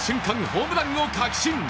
ホームランを確信。